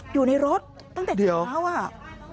อยู่ในรถตั้งแต่เสียงน้ำ